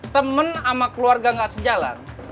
temen sama keluarga gak sejalan